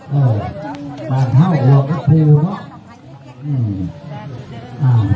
เออท่าท่าวเขาหรอกก็คือเหมือนกัน